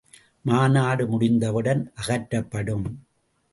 மாநாடு முடிந்தவுடன் அகற்றப்படும்.